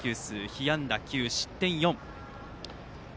被安打９失点４。